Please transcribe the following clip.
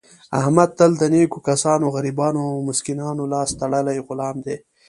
احمد تل د نېکو کسانو، غریبانو او مسکینانو لاس تړلی غلام دی.